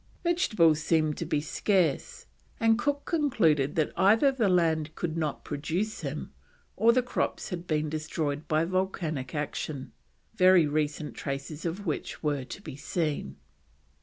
Vegetables seemed to be scarce, and Cook concluded that either the land could not produce them, or the crops had been destroyed by volcanic action, very recent traces of which were to be seen.